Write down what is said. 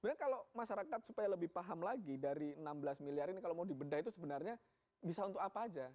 sebenarnya kalau masyarakat supaya lebih paham lagi dari enam belas miliar ini kalau mau dibedah itu sebenarnya bisa untuk apa aja